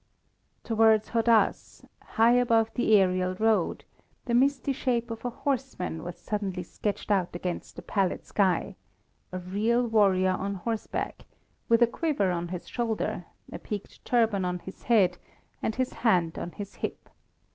Towards Hadház, high above the aërial road, the misty shape of a horseman was suddenly sketched out against the pallid sky a real warrior on horseback, with a quiver on his shoulder, a peaked turban on his head, and his hand on his hip.